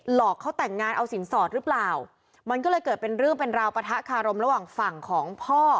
หลอกเขาแต่งงานเอาสินสอดหรือเปล่ามันก็เลยเกิดเป็นเรื่องเป็นราวปะทะคารมระหว่างฝั่งของพ่อ